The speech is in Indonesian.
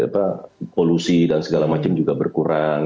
polusi dan segala macam juga berkurang